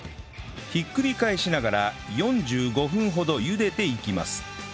ひっくり返しながら４５分ほど茹でていきます